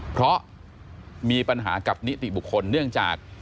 เพราะมีปัญหากับนิติบุคคลเนื่องจาก